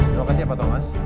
terima kasih pak thomas